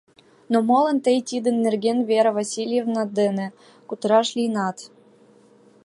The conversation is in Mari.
— Но молан тый тидын нерген Вера Васильевна дене кутыраш лийынат?